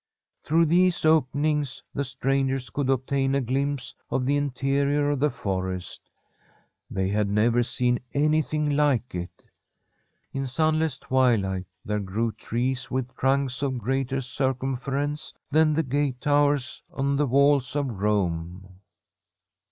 Through these openings the strangers could obtain a glimpse of the interior of the for est. They had never seen anything like it. In (149] fr^m M SfTEDlSH HOMESTEAD sunless twilight there grew trees with trunks of greater circumference than the gate towers on the walls of Rome.